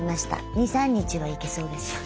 ２３日はいけそうです。